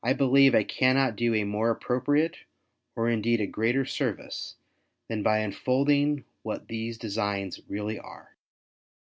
3 believe I cannot do a more appropriate, or indeed a greater service, than by unfolding what these designs really are.